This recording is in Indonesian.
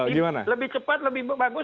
ini lebih cepat lebih bagus